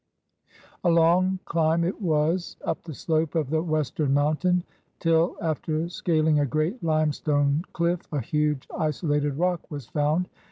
A long climb it was up the slope of the western moun tain, till, after scaling a great limestone cliff, a huge, isolated rock was found.